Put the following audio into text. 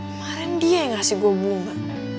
kemaren dia yang ngasih gue bumbu